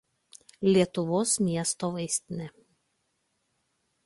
Lietuvos miesto vaistinė.